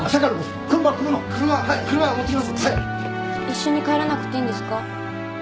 一緒に帰らなくていいんですか？